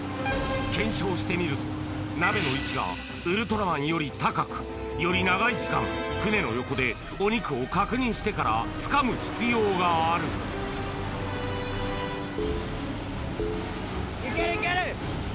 検証してみると鍋の位置がウルトラマンより高くより長い時間船の横でお肉を確認してからつかむ必要があるいけるいける。